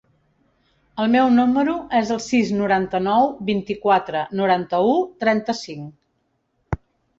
El meu número es el sis, noranta-nou, vint-i-quatre, noranta-u, trenta-cinc.